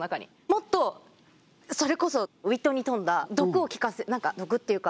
もっとそれこそウイットに富んだ毒を利かせる何か毒っていうか。